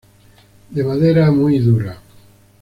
De madera muy dura.